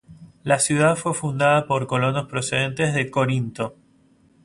La ciudad fue fundada por colonos procedentes de Corinto.